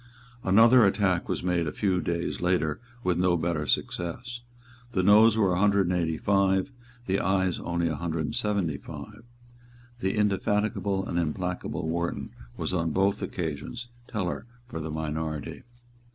Another attack was made a few days later with no better success. The Noes were a hundred and eighty five, the Ayes only a hundred and seventy five. The indefatigable and implacable Wharton was on both occasions tellers for the minority.